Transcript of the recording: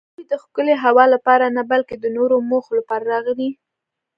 دوی د ښکلې هوا لپاره نه بلکې د نورو موخو لپاره راغلي.